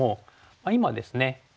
今ですね